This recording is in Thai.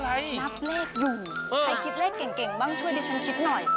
นับเลขอยู่ใครคิดเลขเก่งเก่งบ้างช่วยดิฉันคิดหน่อย